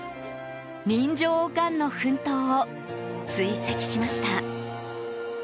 人情オカンの奮闘を追跡しました。